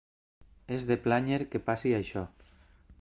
És de plànyer que passi això.